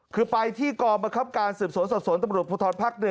คือไปที่กรบขับการศึกษนสบสนตมรุทพรธรปรักษ์๑